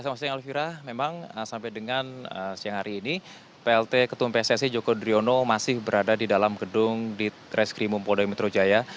selamat siang alvira memang sampai dengan siang hari ini plt ketum pssi joko driono masih berada di dalam gedung di treskrimum poldai metro jaya